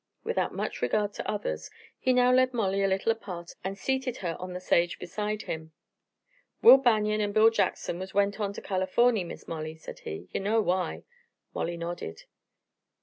Without much regard to others, he now led Molly a little apart and seated her on the sage beside him. "Will Banion and Bill Jackson has went on to Californy, Miss Molly," said he. "You know why." Mollie nodded.